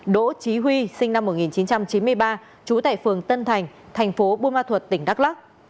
đỗ trí huy sinh năm một nghìn chín trăm chín mươi ba trú tại phường tân thành thành phố buôn ma thuật tỉnh đắk lắc